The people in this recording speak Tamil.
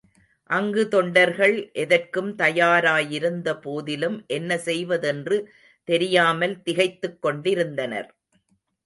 அங்கு தொண்டர்கள் எதற்கும் தயாரயிருந்தபோதிலும் என்ன செய்வதென்று தெரியாமல் திகைத்துக் கொண்டிருந்தனர்.